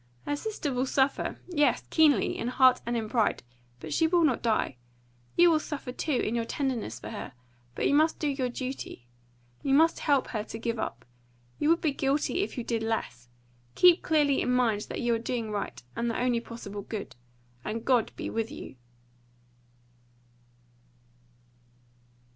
Her sister will suffer yes, keenly! in heart and in pride; but she will not die. You will suffer too, in your tenderness for her; but you must do your duty. You must help her to give up. You would be guilty if you did less. Keep clearly in mind that you are doing right, and the only possible good. And God be with you!"